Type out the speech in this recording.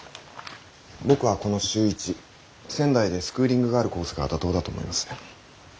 僕はこの週１仙台でスクーリングがあるコースが妥当だと思います。